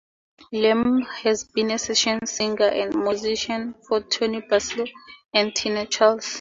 Lamb has been a session singer and musician for Toni Basil and Tina Charles.